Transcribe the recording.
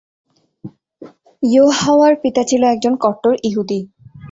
ইউহাওয়ার পিতা ছিল একজন কট্টর ইহুদী।